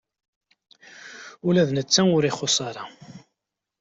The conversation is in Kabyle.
Ula d netta ur ixuss ara.